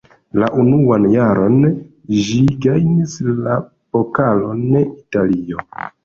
La unuan jaron ĝi gajnis la Pokalon Italio.